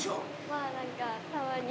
まあ何かたまに。